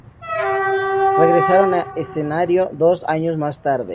Regresaron a ese escenario dos años más tarde.